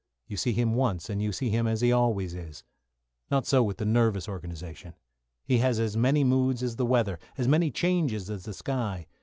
You see him once and you see him as he always is. Not so with the nervous organisation. He has as many moods as the weather, as many changes as the sky.